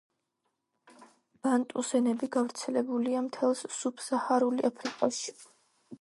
ბანტუს ენები გავრცელებულია მთელს სუბსაჰარული აფრიკაში.